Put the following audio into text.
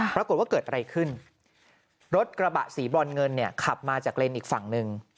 ปรากฏว่าเกิดอะไรขึ้นรถกระบะสีบรอนเงินเนี่ยขับมาจากเลนส์อีกฝั่งหนึ่ง